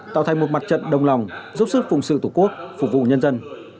tạo thành một mặt trận đồng lòng giúp sức phụng sự tổ quốc phục vụ nhân dân